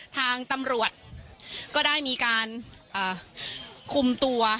ทางตำรวจก็ได้มีการคุมตัว